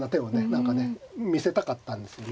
何かね見せたかったんですよね。